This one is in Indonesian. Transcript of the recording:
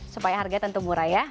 supaya harga tentu murah ya